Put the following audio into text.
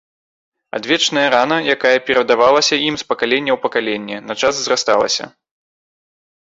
Адвечная рана, якая перадавалася ім з пакалення ў пакаленне, на час зрасталася.